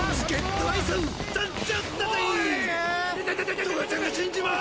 トガちゃんが死んじまう！